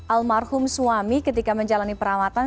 almarhum suami ketika menjalani perawatan